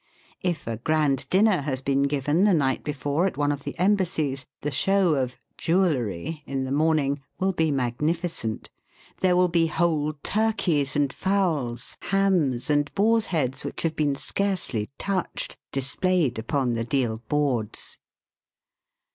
If a grand dinner has been given the night before at one of the Embassies, the show of "jewellery" in the morning will be magnificent. There will be whole turkeys and fowls, hams, and boars' heads, which have been scarcely touched, displayed upon the deal boards.